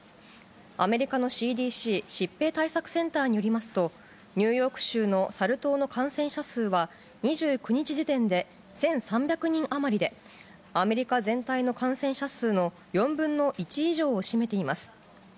アメリカのＣＤＣ・疾病対策センターによりますと、ニューヨーク州のサル痘の感染者数は、２９日時点で１３００人余りで、アメリカ全体の感染者数の４分の１以上を占めています。